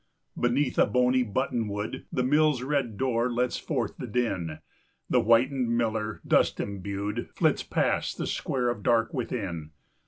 Beneath a bony buttonwood The mill's red door lets forth the din; The whitened miller, dust imbued, 15 Flits past the square of dark within.